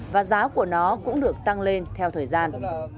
và giá của nó cũng được tăng lên theo thời gian